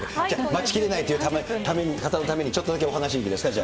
待ちきれないという方のために、ちょっとだけお話いいですか？